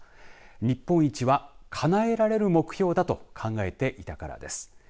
日本一はかなえられる目標だと考えていたからです。